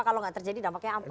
kalau nggak terjadi dampaknya apa